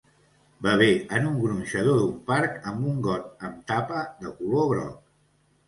bebè en un gronxador d'un parc amb un got amb tapa de color groc.